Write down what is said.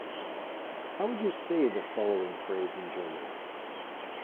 How would you say the following phrase in German?